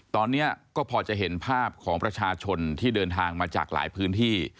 ตอนนี้ก็พอจะเห็นภาพของประชาชนที่เดินทางมาจากหลายพื้นที่